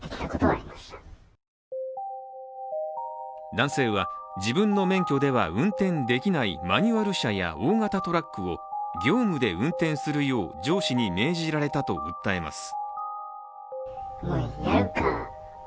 男性は自分の免許では運転できないマニュアル車や大型トラックを業務で運転するよう上司に命じられたと訴えます。